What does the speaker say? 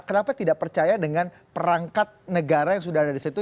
kenapa tidak percaya dengan perangkat negara yang sudah ada di situ